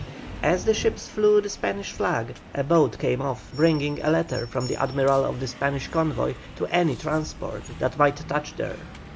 As the ships flew the Spanish flag a boat came off bringing a letter from the Admiral of the Spanish convoy to any transport that might touch there.